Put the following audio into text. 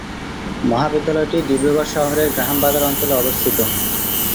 মহাবিদ্যালয়টি ডিব্রুগড় শহরের গ্রাহাম বাজার অঞ্চলে অবস্থিত।